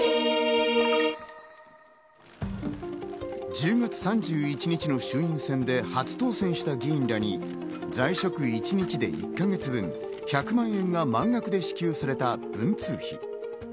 １０月３１日の衆院選で初当選した議員らに在職一日で１か月分、１００万円が満額で支給された文通費。